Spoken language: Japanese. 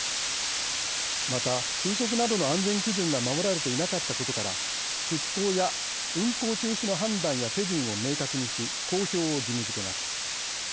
また風速などの安全基準が守られていなかったことから出港や運航中止の判断や手順を明確にし公表を義務づけます。